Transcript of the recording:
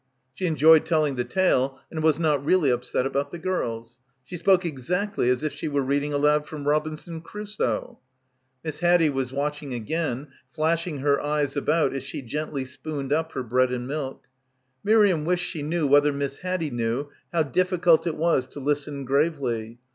She enjoyed telling the tale and was not really upset about the girls. She spoke exactly as if she were reading aloud from "Robinson Crusoe." Miss Haddie was watching again, flashing her eyes about as she gently spooned up her bread and milk. Miriam wished she knew whether Miss Haddie knew how difficult it was to listen gravely.